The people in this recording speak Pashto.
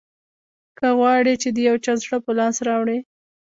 که غواړې چې د یو چا زړه په لاس راوړې.